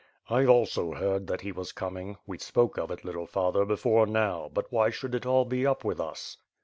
^' "I also heard that he was coming. We spoke of it, little father, before now; but why should it be all up with us.